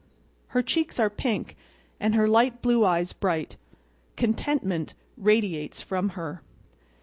Her cheeks are pink, and her light blue eyes bright. Contentment radiates from her.